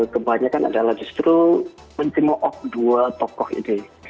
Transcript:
kebanyakan adalah justru mencemo'o dua tokoh itu